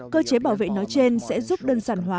cơ chế bảo vệ nói trên sẽ giúp đơn giản hóa